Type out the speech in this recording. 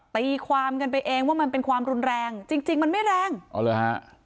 ตีความกันไปเองว่ามันเป็นความรุนแรงจริงจริงมันไม่แรงอ๋อเหรอฮะ